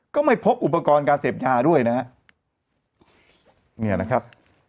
ก็ไม่พบอุปกรณ์การเสพยาด้วยนะฮะเนี่ยนะครับ